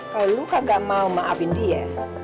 kalau lu kagak mau maafin dia